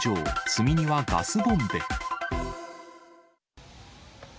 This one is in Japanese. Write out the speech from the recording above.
積み荷はガスボンベ。